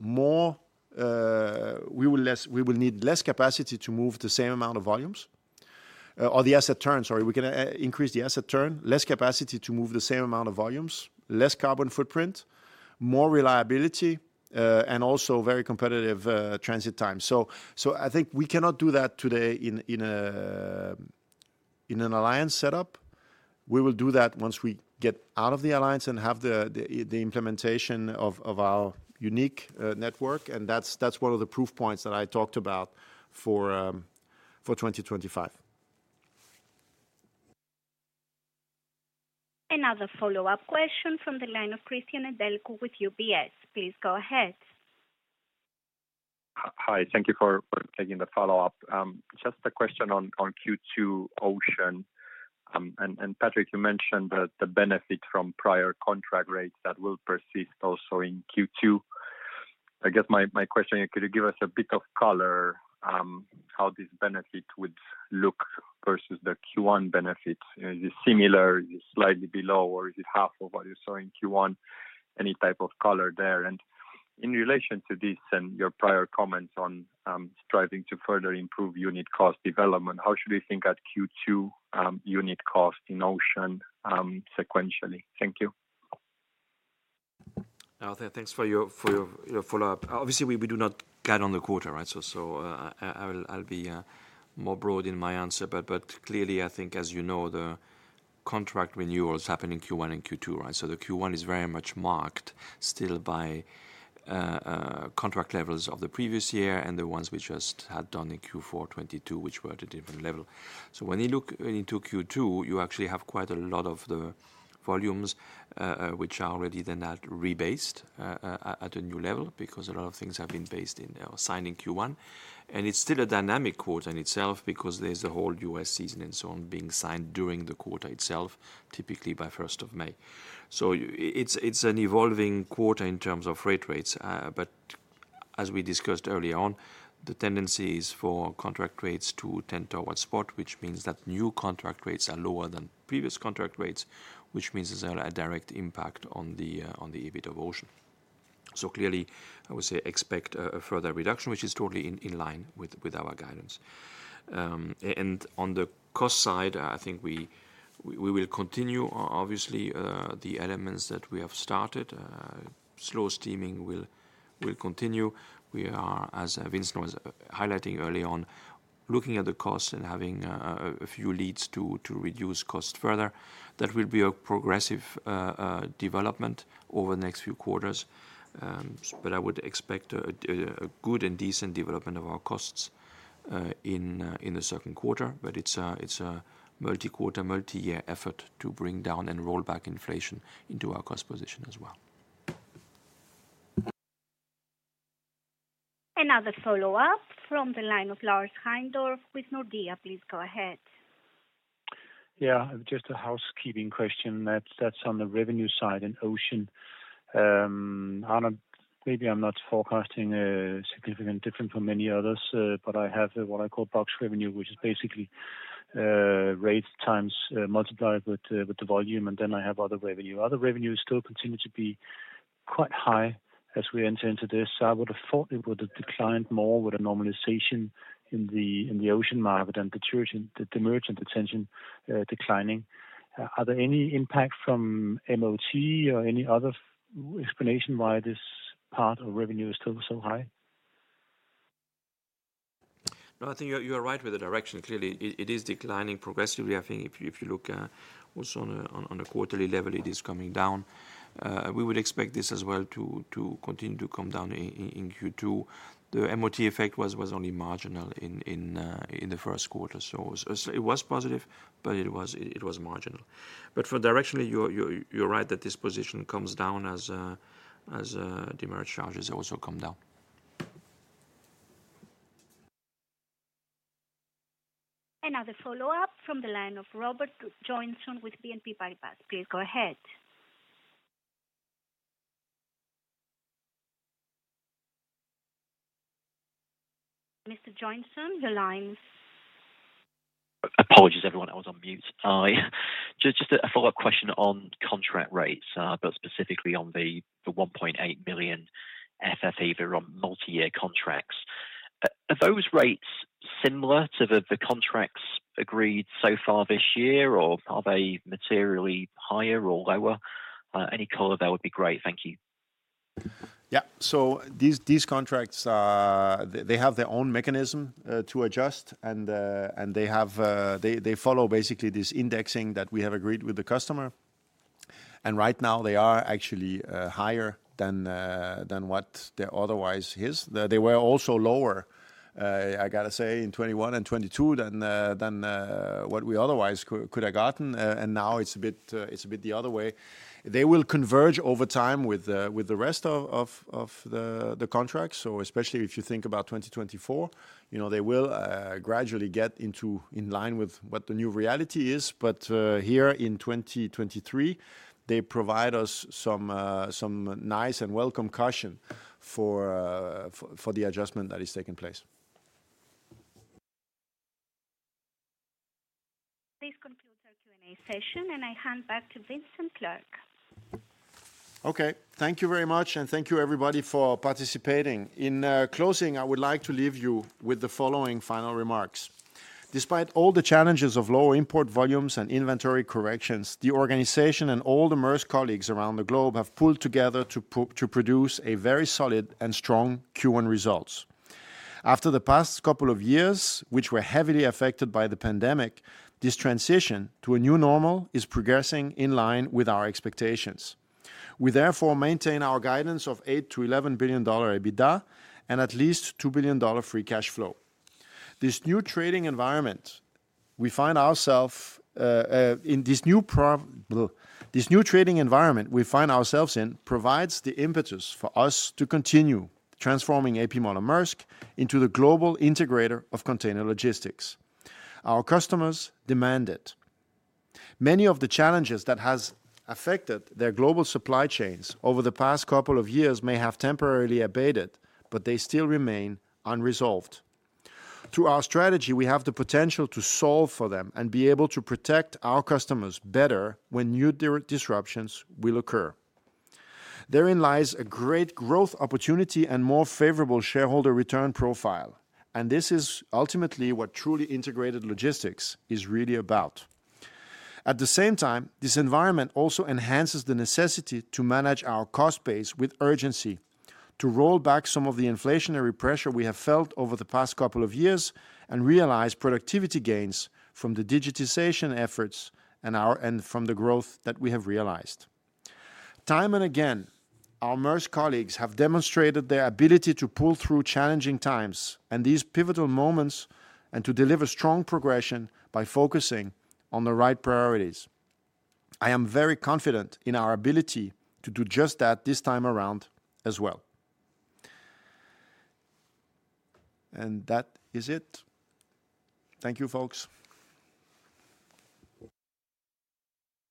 More, we will need less capacity to move the same amount of volumes. Or the asset turn, sorry. We can increase the asset turn, less capacity to move the same amount of volumes, less carbon footprint, more reliability, and also very competitive transit time. I think we cannot do that today in an alliance setup. We will do that once we get out of the alliance and have the implementation of our unique network, and that's one of the proof points that I talked about for 2025. Another follow-up question from the line of Cristian Nedelcu with UBS. Please go ahead. Hi. Thank you for taking the follow-up. Just a question on Q2 Ocean. Patrick, you mentioned that the benefit from prior contract rates that will persist also in Q2. I guess my question, could you give us a bit of color, how this benefit would look versus the Q1 benefit? Is it similar, is it slightly below, or is it half of what you saw in Q1? Any type of color there. In relation to this and your prior comments on striving to further improve unit cost development, how should we think at Q2 unit cost in Ocean sequentially? Thank you. Thanks for your follow-up. Obviously, we do not guide on the quarter, right? I'll be more broad in my answer. Clearly, I think as you know, the contract renewals happen in Q1 and Q2, right? The Q1 is very much marked still by contract levels of the previous year and the ones we just had done in Q4 2022, which were at a different level. When you look into Q2, you actually have quite a lot of the volumes which are already then at rebased at a new level because a lot of things have been based in or signed in Q1. It's still a dynamic quarter in itself because there's the whole U.S. season and so on being signed during the quarter itself, typically by first of May. It's an evolving quarter in terms of freight rates. As we discussed early on, the tendency is for contract rates to tend towards spot, which means that new contract rates are lower than previous contract rates, which means there's a direct impact on the EBIT of ocean. Clearly, I would say expect a further reduction, which is totally in line with our guidance. And on the cost side, I think we will continue obviously, the elements that we have started. Slow steaming will continue. We are, as Vincent was highlighting early on, looking at the costs and having a few leads to reduce costs further. That will be a progressive development over the next few quarters. I would expect a good and decent development of our costs in the second quarter. It's a multi-quarter, multi-year effort to bring down and roll back inflation into our cost position as well. Another follow-up from the line of Lars Heindorff with Nordea. Please go ahead. Just a housekeeping question that's on the revenue side in ocean. maybe I'm not forecasting a significant different from many others. I have what I call box revenue, which is basically rate times multiplied with the volume. Then I have other revenue. Other revenue still continue to be quite high as we enter into this. I would have thought it would have declined more with a normalization in the ocean market and the demurrage and detention declining. Are there any impact from MOT or any other explanation why this part of revenue is still so high? I think you are right with the direction. Clearly it is declining progressively. I think if you, if you look also on a quarterly level, it is coming down. We would expect this as well to continue to come down in Q2. The MOT effect was only marginal in the first quarter. It was positive, but it was marginal. For directionally, you're right that this position comes down as demurrage charges also come down. Another follow-up from the line of Robert Joynson with BNP Paribas. Please go ahead. Mr. Joynson, your line's... Apologies everyone, I was on mute. I just a follow-up question on contract rates, but specifically on the 1.8 million FFE that are on multi-year contracts. Are those rates similar to the contracts agreed so far this year, or are they materially higher or lower? Any color there would be great. Thank you. Yeah. These contracts are. They have their own mechanism to adjust and they follow basically this indexing that we have agreed with the customer. Right now they are actually higher than what they otherwise is. They were also lower, I gotta say, in 21 and 22 than what we otherwise could have gotten. Now it's a bit the other way. They will converge over time with the rest of the contracts. Especially if you think about 2024, you know, they will gradually get into in line with what the new reality is. Here in 2023, they provide us some nice and welcome cushion for the adjustment that is taking place. This concludes our Q&A session, and I hand back to Vincent Clerc. Okay. Thank you very much, and thank you everybody for participating. In closing, I would like to leave you with the following final remarks. Despite all the challenges of low import volumes and inventory corrections, the organization and all the Maersk colleagues around the globe have pulled together to produce a very solid and strong Q1 results. After the past couple of years, which were heavily affected by the pandemic, this transition to a new normal is progressing in line with our expectations. We therefore maintain our guidance of $8 billion-$11 billion EBITDA and at least $2 billion free cash flow. This new trading environment we find ourselves in provides the impetus for us to continue transforming A.P. Moller - Maersk into the global integrator of container logistics. Our customers demand it. Many of the challenges that has affected their global supply chains over the past couple of years may have temporarily abated, they still remain unresolved. Through our strategy, we have the potential to solve for them and be able to protect our customers better when new disruptions will occur. Therein lies a great growth opportunity and more favorable shareholder return profile, this is ultimately what truly integrated logistics is really about. At the same time, this environment also enhances the necessity to manage our cost base with urgency, to roll back some of the inflationary pressure we have felt over the past couple of years and realize productivity gains from the digitization efforts and from the growth that we have realized. Time and again, our Maersk colleagues have demonstrated their ability to pull through challenging times and these pivotal moments and to deliver strong progression by focusing on the right priorities. I am very confident in our ability to do just that this time around as well. That is it. Thank you, folks.